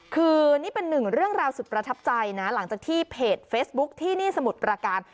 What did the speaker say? คือนี่เป็นหนึ่งเรื่องราวสุดประทับใจนะหลังจากที่เพจเฟซบุ๊คที่นี่สมุทรประการ